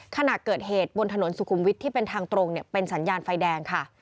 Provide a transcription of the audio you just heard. ขณะเกิดเหตุบนถนนสุขุมวิทย์ที่เป็นทางตรงเป็นสัญญาณไฟแดงค่ะ